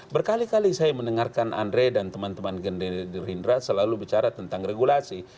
berkali kali saya mendengarkan andre dan teman teman genderindra selalu bicara tentang regulasi